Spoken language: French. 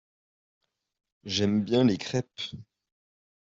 J'aime bien les crèpes.